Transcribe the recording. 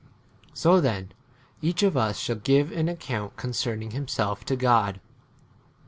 So then each of us shall give an account concerning him 13 self to God.